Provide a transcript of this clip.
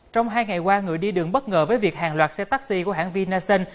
trong hai ngày qua người đi đường bất ngờ với việc hàng loạt xe taxi của hãng vinasun